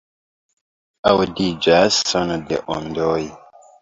Aŭdiĝas sono de ondoj.